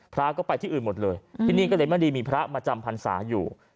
พระก็ไปที่อื่นหมดเลยที่นี่ก็เลยไม่ได้มีพระมาจำพรรษาอยู่